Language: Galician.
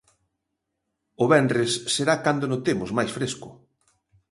O venres será cando notemos máis fresco.